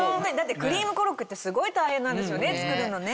クリームコロッケってすごい大変なんですよね作るのね。